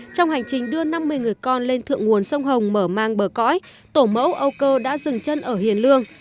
trong hành trình đưa năm mươi người con lên thượng nguồn sông hồng mở mang bờ cõi tổ mẫu âu cơ đã dừng chân ở hiền lương